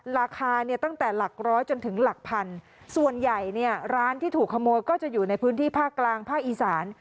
ราคาเนี่ยตั้งแต่หลักร้อยจนถึงหลักพันส่วนใหญ่เนี่ยร้านที่ถูกขโมยก็จะอยู่ในพื้นที่ภาคกลางภาคอีสาน